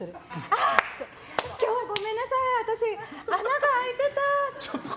あ！って今日はごめんなさい、私穴が開いてたー！